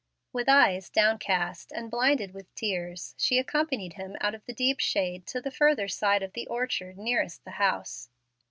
With eyes downcast and blinded with tears she accompanied him out of the deep shade to the further side of the orchard nearest the house.